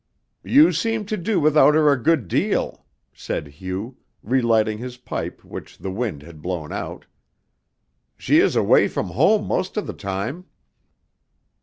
"You seem to do without her a good deal," said Hugh, relighting his pipe which the wind had blown out. "She is away from home most of the time."